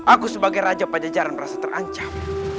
aku sebagai raja pajajaran merasa terancam